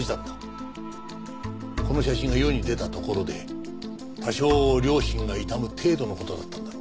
この写真が世に出たところで多少良心が痛む程度の事だったんだ。